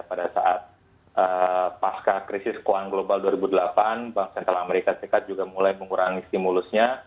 pada saat pasca krisis keuangan global dua ribu delapan bank sentral amerika serikat juga mulai mengurangi stimulusnya